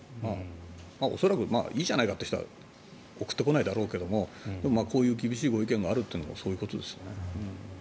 恐らくいいじゃないかって人は送ってこないだろうけれどもこういう厳しいご意見があるということはということですね。